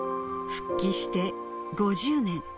復帰して５０年。